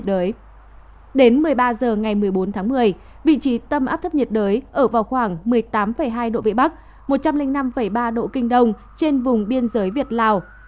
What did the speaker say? đến một mươi ba h ngày một mươi bốn tháng một mươi vị trí tâm áp thấp nhiệt đới ở vào khoảng một mươi tám hai độ vị bắc một trăm linh năm ba độ kinh đông trên vùng biên giới việt lào